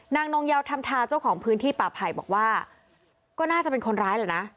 นงเยาธรรมทาเจ้าของพื้นที่ป่าไผ่บอกว่าก็น่าจะเป็นคนร้ายแหละนะ